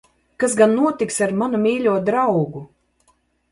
Kas gan notiks ar manu mīļo draugu?